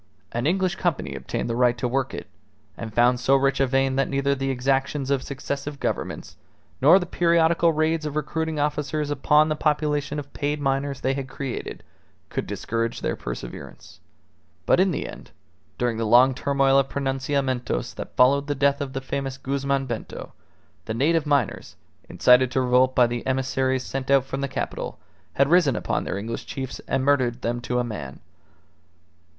An English company obtained the right to work it, and found so rich a vein that neither the exactions of successive governments, nor the periodical raids of recruiting officers upon the population of paid miners they had created, could discourage their perseverance. But in the end, during the long turmoil of pronunciamentos that followed the death of the famous Guzman Bento, the native miners, incited to revolt by the emissaries sent out from the capital, had risen upon their English chiefs and murdered them to a man.